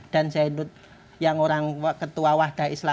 dan saya ingat yang orang ketua wahda islam